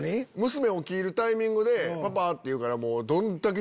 娘起きるタイミングでパパ！って言うから。